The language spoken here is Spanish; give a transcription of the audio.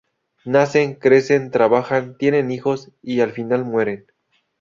Nacen, crecen, trabajan, tienen hijos y al final mueren.